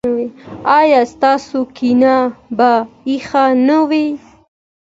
ایا ستاسو کینه به یخه نه وي؟